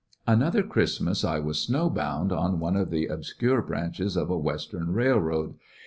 A snow bound Another Christmas I was snow bound on one of the obscure branches of a Western rail road.